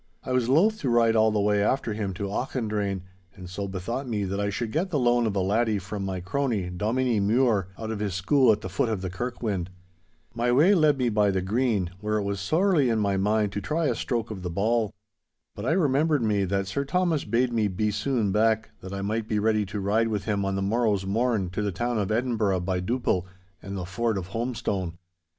I was loath to ride all the way after him to Auchendrayne, and so bethought me that I should get the loan of a laddie from my crony, Dominie Mure, out of his school at the foot of the Kirkwynd. My way led me by the Green, where it was sorely in my mind to try a stroke of the ball. But I remembered me that Sir Thomas bade me be soon back, that I might be ready to ride with him on the morrow's morn to the town of Edinburgh by Duppil and the Ford of Holmestone.